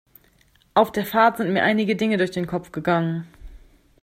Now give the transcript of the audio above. Auf der Fahrt sind mir einige Dinge durch den Kopf gegangen.